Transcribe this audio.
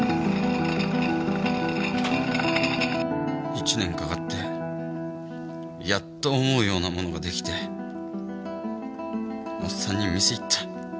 １年かかってやっと思うようなものが出来ておっさんに見せに行った。